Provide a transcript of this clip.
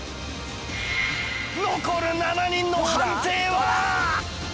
残る７人の判定は？